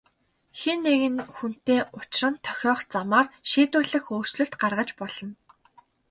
Хэн нэгэн хүнтэй учран тохиох замаар шийдвэрлэх өөрчлөлт гаргаж болно.